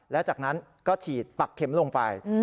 และจากนั้นก็ฉีดปักเข็มลงไป